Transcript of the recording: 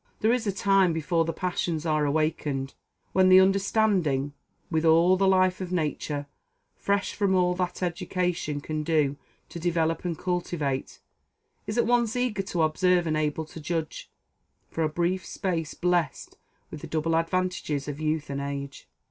There is a time, before the passions are awakened, when the understanding, with all the life of nature, fresh from all that education can do to develop and cultivate, is at once eager to observe and able to judge, for a brief space blessed with the double advantages of youth and age.